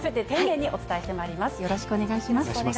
よろしくお願いします。